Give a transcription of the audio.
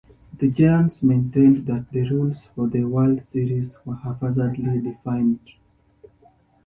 The Giants maintained that the rules for the World Series were haphazardly defined.